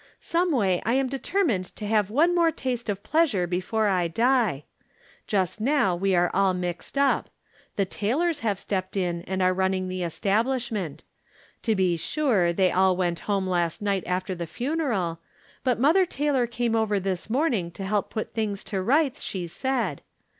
Someway I am determined to have one more taste of pleasure before I die. Just now we are all mixed up. The Taylors have stepped in, and are running the establishment. To be sure they all went home last night after the funeral, but Mother Taylor came over this morning to help put things to rights, she said.